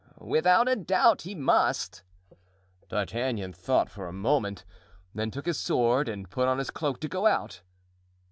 "Without a doubt he must." D'Artagnan thought for a moment, then took his sword and put on his cloak to go out.